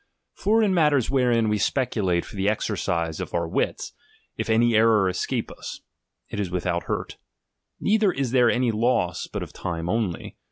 For in mat ters wherein we speculate for the exercise of our wits, if any error escape ns, it is without hurt ; neither is there any loss, but of time only.